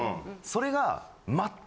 それが。え！？